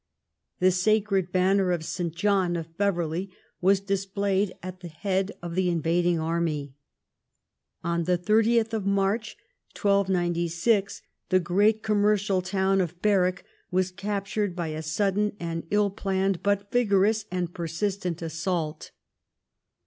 The sacred banner of St. John of Beverley was displayed at the head of the invading army. On 30th March 1296 the great com mercial town of Berwick was captured by a sudden and ill planned but vigorous and persistent assault.